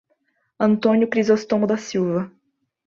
Antônio Crizostomo da Silva